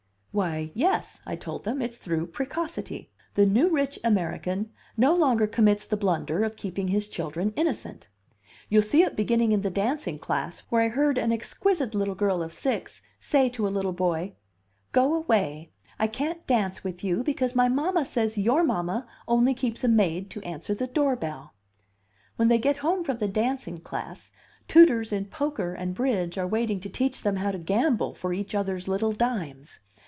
"Why, yes," I told them, "it's through precocity. The new rich American no longer commits the blunder of keeping his children innocent. You'll see it beginning in the dancing class, where I heard an exquisite little girl of six say to a little boy, 'Go away; I can't dance with you, because my mamma says your mamma only keeps a maid to answer the doorbell.' When they get home from the dancing class, tutors in poker and bridge are waiting to teach them how to gamble for each other's little dimes.